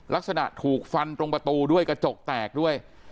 ลักษณะถูกฟันตรงประตูด้วยกระจกแตกด้วย